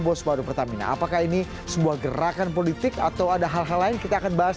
bos baru pertamina apakah ini sebuah gerakan politik atau ada hal hal lain kita akan bahas